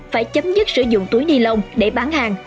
phải chấm dứt sử dụng túi ni lông để bán hàng